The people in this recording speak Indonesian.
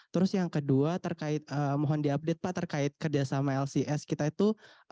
terus yang kedua terkait mohon diupdate pak terkait kerjasama lcs kita itu